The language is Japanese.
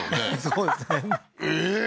そうですねええー！